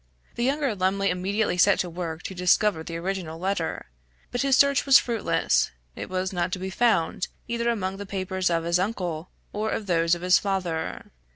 The younger Lumley immediately set to work to discover the original letter, but his search was fruitless; it was not to be found either among the papers of his uncle, or those of his father.